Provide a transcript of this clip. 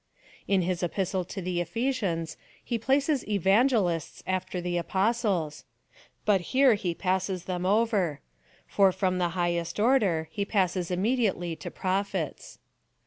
In his Epistle to the Ephesians he places Evangelists after the Apostles, but here he passes them over ; for from the highest order, lie passes immediately to Prophets.